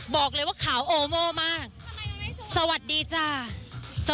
บอกเลยก็ขาโอโมมากสวัสดีจ้ะบอกเลยว่าขาโอโมมาก